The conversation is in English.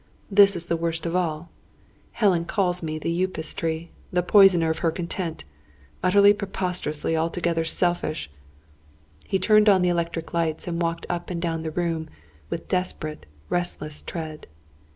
This is the worst of all. Helen calls me the Upas tree the poisoner of her content. Utterly, preposterously, altogether, selfish!" He turned on the electric lights, and walked up and down the room, with desperate, restless tread.